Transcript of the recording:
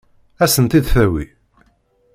Ad sen-tt-id-tawi?